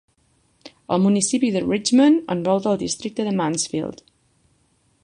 El municipi de Richmond envolta el districte de Mansfield.